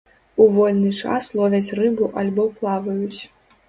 У вольны час ловяць рыбу альбо плаваюць.